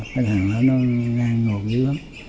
cái thằng đó nó ngang ngột dữ lắm